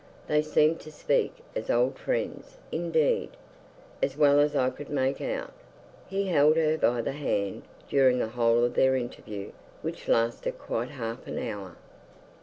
They seemed to speak as old friends indeed, as well as I could make out, he held her by the hand during the whole of their interview which lasted quite half an hour.